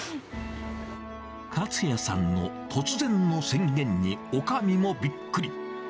勝也さんの突然の宣言におかみもびっくり。